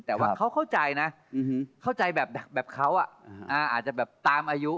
แต่ว่าเขาเข้าใจนะเข้าใจแบบเขาอาจจะแบบตามอายุ